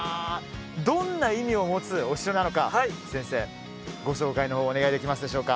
どんな意味を持つお城なのか先生ご紹介の方お願いできますでしょうか？